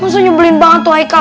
masa nyebelin banget tuh aikal